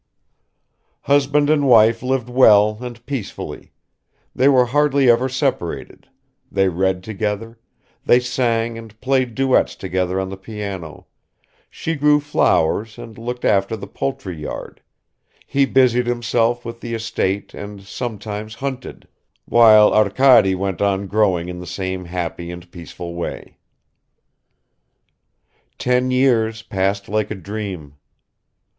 Husband and wife lived well and peacefully; they were hardly ever separated, they read together, they sang and played duets together on the piano, she grew flowers and looked after the poultry yard, he busied himself with the estate and sometimes hunted, while Arkady went on growing in the same happy and peaceful way. Ten years passed like a dream.